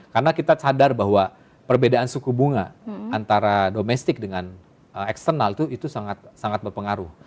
karena kita sadar bahwa perbedaan suku bunga antara domestik dengan eksternal itu sangat berpengaruh